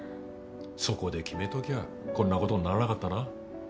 そこで決めときゃこんなことにならなかったな。